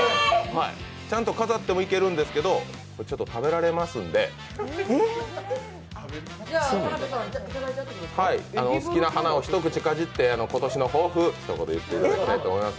飾ってもいけるんですけど、ちょっと食べられますので、お好きな花を一口かじって、今年の抱負をひと言、言っていただきたいと思います。